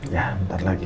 ya bentar lagi